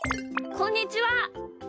こんにちは。